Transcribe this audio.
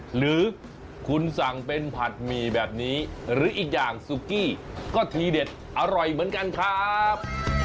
หรือคุณสั่งเป็นผัดหมี่แบบนี้หรืออีกอย่างซุกี้ก็ทีเด็ดอร่อยเหมือนกันครับ